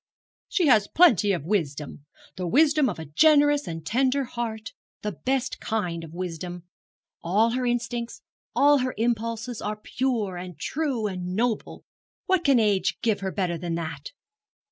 'She has plenty of wisdom the wisdom of a generous and tender heart the best kind of wisdom. All her instincts, all her impulses, are pure, and true, and noble. What can age give her better than that?